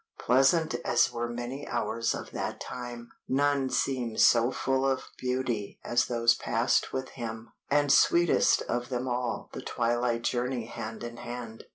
Pleasant as were many hours of that time, none seemed so full of beauty as those passed with him, and sweetest of them all the twilight journey hand in hand.